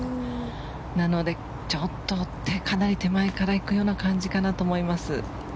なので、ちょっとかなり手前からいく感じかなと思います。